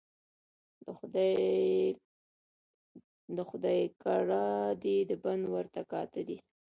ـ د خداى کړه دي د بنده ورته کاته دي.